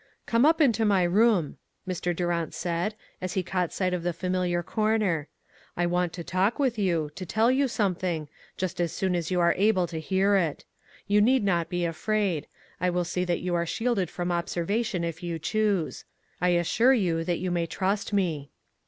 " Come up into my room," Mr. Durant said, as he caught sight of the familiar cor ner. " I want to talk with you, to tell you something, just as soon as you are able to STORM AND CALM. 365 hear it. You need not be afraid. I will see that you are shielded from observation if you choose. I assure you that you may trust me."